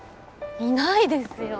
いないですよ。